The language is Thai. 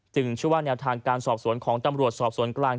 ชื่อว่าแนวทางการสอบสวนของตำรวจสอบสวนกลาง